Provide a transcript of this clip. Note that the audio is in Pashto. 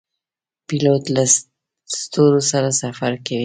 پیلوټ له ستورو سره سفر کوي.